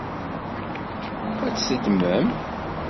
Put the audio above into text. Ad t-teddmem?